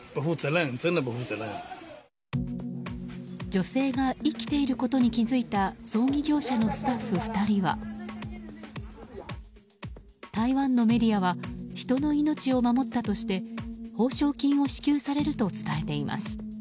女性が生きていることに気づいた葬儀業者のスタッフ２人は台湾のメディアは人の命を守ったとして報奨金を支給されると伝えています。